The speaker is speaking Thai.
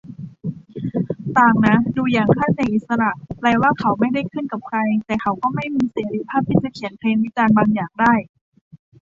ต่างนะ ดูอย่างค่ายเพลงอิสระ แปลว่าเขาไม่ได้ขึ้นกับใคร แต่เขาก็ไม่มีเสรีภาพที่จะเขียนเพลงวิจารณ์บางอย่างได้